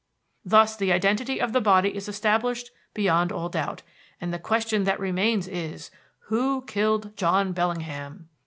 "Thus the identity of the body is established beyond all doubt, and the question that remains is, Who killed John Bellingham?